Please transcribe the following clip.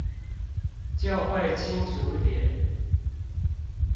就會清楚點